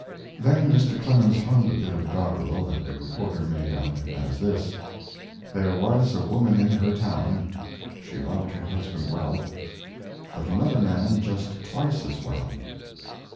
[Then Mr. Clemens hummed a bit of doggerel that the reporter made out as this: "There was a woman in her town, She loved her husband well, But another man just twice as well."